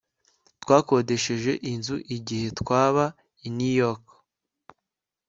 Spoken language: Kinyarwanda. Twakodesheje inzu igihe twaba i New York